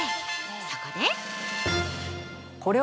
そこで！